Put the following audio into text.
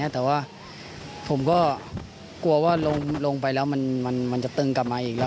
แต่ว่าผมก็กลัวว่าลงไปแล้วมันจะตึงกลับมาอีกแล้ว